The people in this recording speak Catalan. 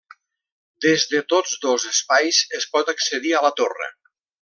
Des de tots dos espais es pot accedir a la torre.